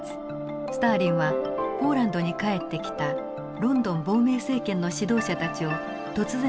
スターリンはポーランドに帰ってきたロンドン亡命政権の指導者たちを突然逮捕します。